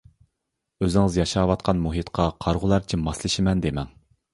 ئۆزىڭىز ياشاۋاتقان مۇھىتقا قارىغۇلارچە ماسلىشىمەن دېمەڭ.